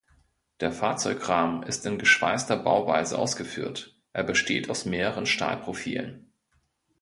Der Fahrzeugrahmen ist in geschweißter Bauweise ausgeführt, er besteht aus mehreren Stahlprofilen.